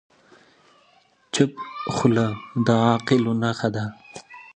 چپه خوله، د عاقلو نښه ده.